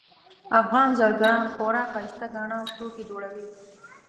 افغان زرګران خورا ښایسته ګاڼه او توکي جوړوي